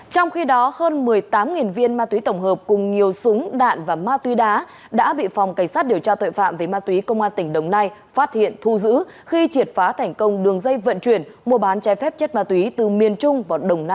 trong khi đó hơn một mươi tám viên ma túy tổng hợp cùng nhiều súng đạn và ma túy đá đã bị phòng cảnh sát điều tra tội phạm về ma túy công an tỉnh đồng nai phát hiện thu giữ khi triệt phá thành công đường dây vận chuyển mua bán trái phép chất ma túy từ miền trung vào đồng nai